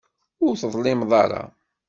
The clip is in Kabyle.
Ur teḍlimeḍ ara.